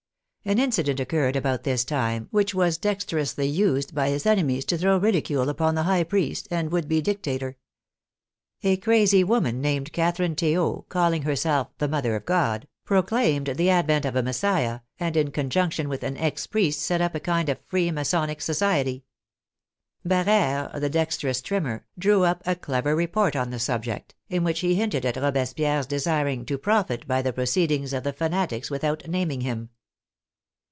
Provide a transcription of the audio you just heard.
An incident occurred about this time which was dexterously used by his enemies to throw ridicule upon the high priest and would be dictator. A crazy woman named Catherine Theot, calling herself the Mother of God, proclaimed the advent of a Messiah, and in conjunction with an ex priest set up a kind of free masonic society. Barere, the dex terous trimmer, drew up a clever report on the subject, in which he hinted at Robespierre's desiring to profit by the proceedings of the fanatics without naming him.